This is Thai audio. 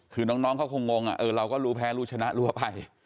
คือน้องเขาคงงเราก็รู้แพ้รู้ชนะรั้วไป